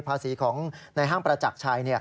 ภาษีของในห้างประจักรชัย